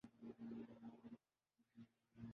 طنز یا تضحیک کا شائبہ بھی نہیں ملتا